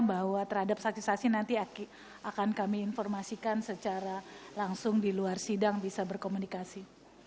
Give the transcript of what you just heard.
bahwa terhadap saksi saksi nanti akan kami informasikan secara langsung di luar sidang bisa berkomunikasi